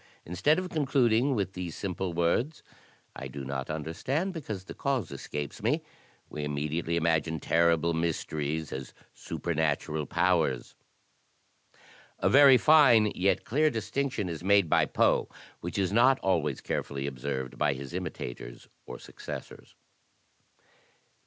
Instead of con cluding with these simple words: *I do not understand because the cause escapes me,' we immediately imagine terrible mysteries as supernatural powers." A very fine yet clear distinction is made by Poe which is not always carefully observed by his imitators or successors.